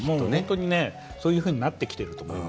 そういうふうになってきていると思います。